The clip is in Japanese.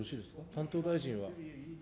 担当大臣は。